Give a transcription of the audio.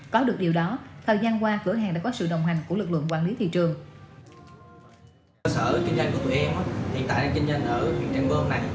có được điều đó thời gian qua cửa hàng đã có sự đồng hành của lực lượng quản lý thị trường